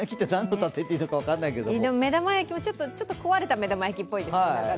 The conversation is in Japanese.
目玉焼きってちょっと壊れた目玉焼きっぽいですけど。